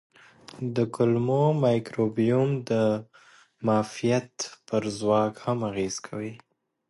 د کولمو مایکروبیوم د معافیت پر ځواک هم اغېز کوي.